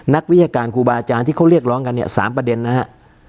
นักวิชาการครูบาอาจารย์ที่เขาเรียกร้องกันเนี่ย๓ประเด็นนะฮะ